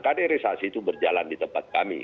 kaderisasi itu berjalan di tempat kami